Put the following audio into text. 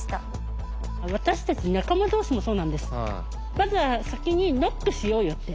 まずは先にノックしようよって。